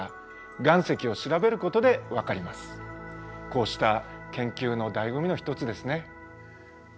こうした研究のだいご味の一つですね。